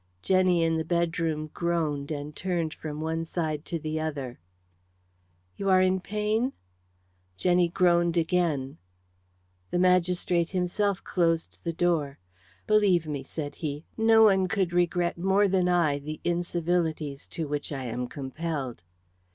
Jenny in the bedroom groaned and turned from one side to the other. "You are in pain?" Jenny groaned again. The magistrate himself closed the door. "Believe me," said he, "no one could more regret than I the incivilities to which I am compelled."